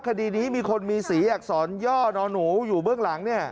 คดีนี้มีคนมีสีอักษรย่อนอนหนูอยู่เบื้องหลัง